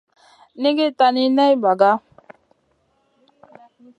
Nʼiigui tani ney ɓaga.